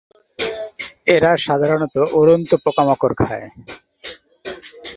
এরা সাধারণত উড়ন্ত পোকামাকড় খায়।